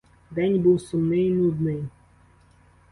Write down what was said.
День був сумний, нудний.